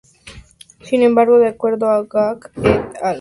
Sin embargo, de acuerdo a Wang et.al.